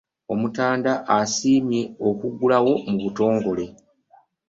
Omutanda asiimye okugiggulawo mu butongole.